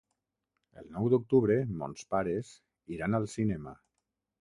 El nou d'octubre mons pares iran al cinema.